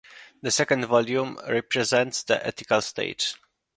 The second volume represents the ethical stage.